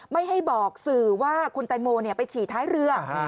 ไม่ให้บอกสื่อว่าคุณแตงโมไปฉี่ท้ายเรือ